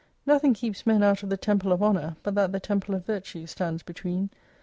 Nothing keeps men out of the Temple of Honour, but that the Temple of Virtue stands be tween.